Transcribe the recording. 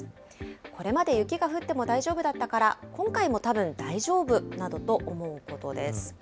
これまで雪が降っても大丈夫だったから、今回もたぶん大丈夫などと思うことです。